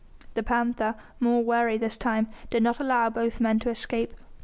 The panther, more wary this time, did not allow both men to escape.